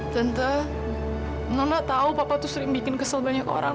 tentang nona tahu papa itu sering bikin kesel banyak orang